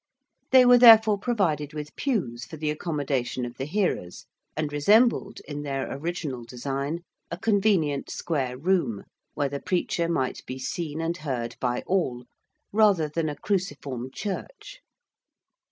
They were therefore provided with pews for the accommodation of the hearers, and resembled, in their original design, a convenient square room, where the preacher might be seen and heard by all, rather than a cruciform church.